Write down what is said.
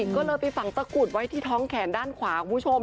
ก็เลยไปฝังตะกุดไว้ที่ท้องแขนด้านขวาคุณผู้ชม